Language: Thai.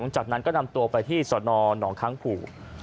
จากนั้นก็นำตัวไปที่สนหนองค้างผู